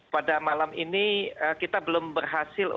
pada malam ini kita belum berhasil